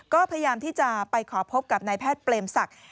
ก็พยายามที่จะไปขอพบกับนายแพทย์เปรมศักดิ์